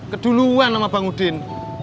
keduluan sama bang udin